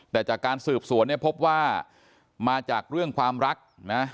แต่จากการสืบสวนเนี่ยพบว่ามาจากเรื่องความรักนะ